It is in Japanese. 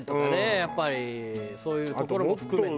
やっぱりそういうところも含めて。